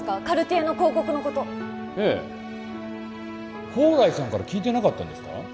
カルティエの広告のことええ宝来さんから聞いてなかったんですか？